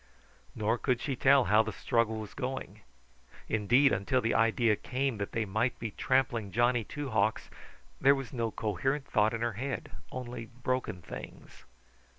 Nor could she tell how the struggle was going. Indeed until the idea came that they might be trampling Johnny Two Hawks there was no coherent thought in her head, only broken things.